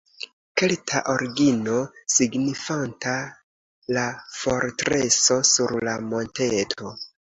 Kelta origino signifanta "la fortreso sur la monteto".